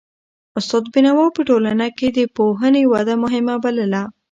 استاد بینوا په ټولنه کي د پوهنې وده مهمه بلله.